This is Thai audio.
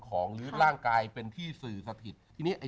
คือเลือกนี้